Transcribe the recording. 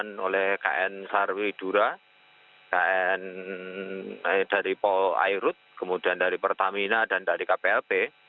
yang oleh kn sarwidura kn eh dari pol airut kemudian dari pertamina dan dari kplp